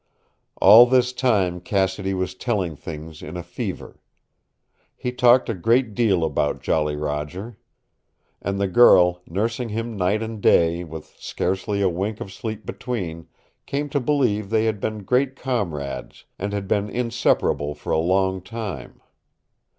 All this time Cassidy was telling things in a fever. He talked a great deal about Jolly Roger. And the girl, nursing him night and day, with scarcely a wink of sleep between, came to believe they had been great comrades, and had been inseparable for a long time.